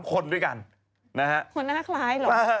คนน่าคล้ายเหรอ